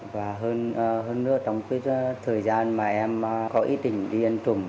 và hơn nữa trong cái thời gian mà em có ý tình đi ăn trùng